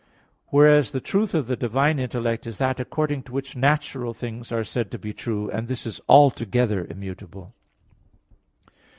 Whereas the truth of the divine intellect is that according to which natural things are said to be true, and this is altogether immutable.